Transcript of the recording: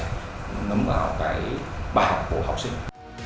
nó tấm vào cái bài học của học sinh